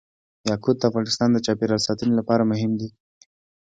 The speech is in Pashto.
یاقوت د افغانستان د چاپیریال ساتنې لپاره مهم دي.